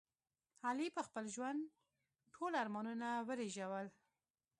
علي په خپل ژوند ټول ارمانونه ورېژول.